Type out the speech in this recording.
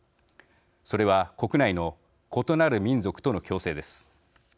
それは、国内の異なる民族との共生です。